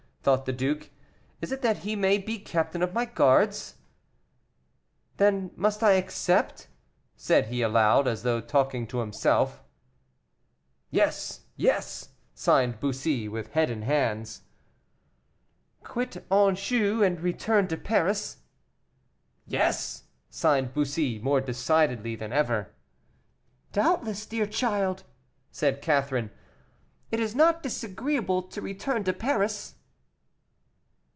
thought the duke; "is it that he may be captain of my guards? Then must I accept?" said he aloud, as though talking to himself. "Yes, yes!" signed Bussy, with head and hands. "Quit Anjou, and return to Paris?" "Yes!" signed Bussy, more decidedly than ever. "Doubtless, dear child," said Catherine, "it is not disagreeable to return to Paris."